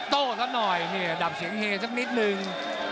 โต้สักหน่อยเนี่ยดับเสียงเฮสักนิดนึง